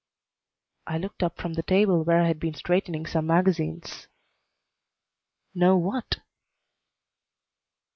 I looked up from the table where I had been straightening some magazines. "Know what?"